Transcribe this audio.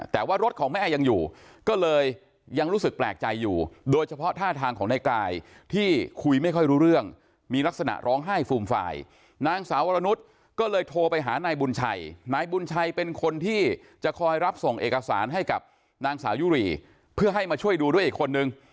แต่ว่ารถของแม่ยังอยู่ก็เลยยังรู้สึกแปลกใจอยู่โดยเฉพาะท่าทางของนายกายที่คุยไม่ค่อยรู้เรื่องมีลักษณะร้องไห้ฟูมฟายนางสาววรนุษย์ก็เลยโทรไปหานายบุญชัยนายบุญชัยเป็นคนที่จะคอยรับส่งเอกสารให้กับนางสาวยุรีเพื่อให้มาช่วยดูด้วยอีกคนนึง